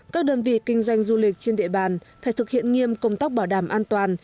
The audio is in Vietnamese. các đơn vị kinh doanh du lịch trên địa bàn phải thực hiện nghiêm công tác bảo đảm an toàn